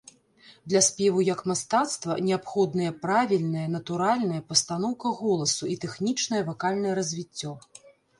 Для спеву як мастацтва, неабходныя правільная, натуральная пастаноўка голасу і тэхнічнае вакальнае развіццё.